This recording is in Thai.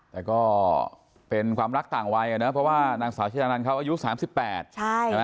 แต่ก็เป็นความรักต่างวัยเนี่ยเนี่ยเพราะว่านางสาวชยานันทร์เขาอายุ๓๘ปี